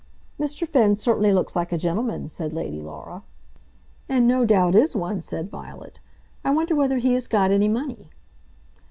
"Mr. Finn certainly looks like a gentleman," said Lady Laura. "And no doubt is one," said Violet. "I wonder whether he has got any money."